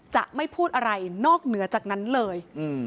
จะไม่พูดอะไรนอกเหนือจากนั้นเลย